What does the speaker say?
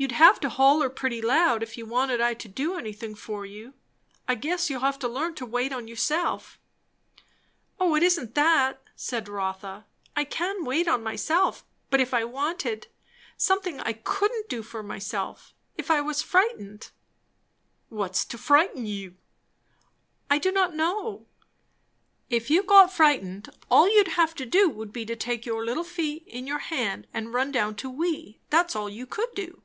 "You'd have to holler pretty loud, if you wanted I to do anything for you. I guess you'll have to learn to wait on yourself." "O it isn't that," said Rotha; "I can wait on myself; but if I wanted something I couldn't do for myself if I was frightened " "What's to frighten you?" "I do not know " "If you got frightened, all you'd have to do would be to take your little feet in your hand and run down to we; that's all you could do."